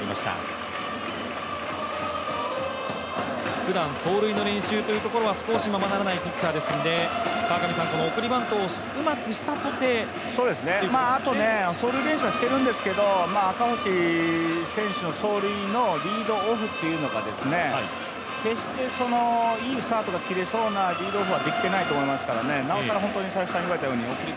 ふだん、走塁の練習というところは少しままならないピッチャーですのでこの送りバントをうまくしたとてあとね、走塁ベースしてるんですけど、赤星選手の走塁のリードオフっていうのが、決していいスタートが切れそうなリードオフはできていないと思いますからなおさら送り